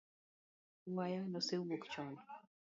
Waya nosewuok chon